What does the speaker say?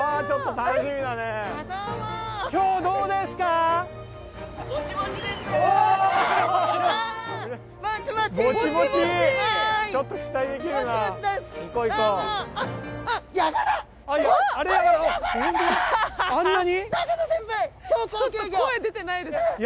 ちょっと声出てないです。